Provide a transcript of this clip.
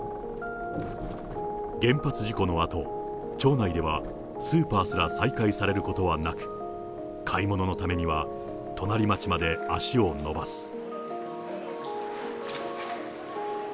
原発事故のあと、町内では、スーパーすら再開されることはなく、買い物のためには、隣町まで足を延ばす。